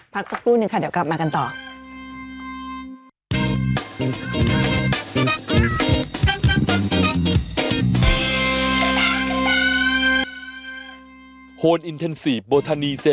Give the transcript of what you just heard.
พักสักครู่หนึ่งค่ะเดี๋ยวกลับมากันต่อ